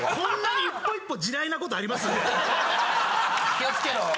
気をつけろ。